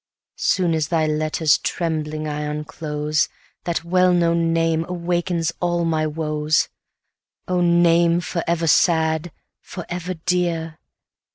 Soon as thy letters trembling I unclose, That well known name awakens all my woes. 30 Oh, name for ever sad! for ever dear!